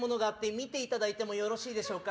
見ていただいてもよろしいですか。